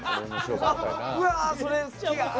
うわ、それ好きや。